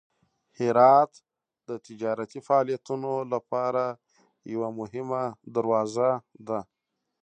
هرات د تجارتي فعالیتونو لپاره یوه مهمه دروازه ده.